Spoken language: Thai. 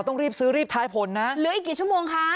ต้องรีบซื้อรีบท้ายผลนะเหลืออีกกี่ชั่วโมงคะ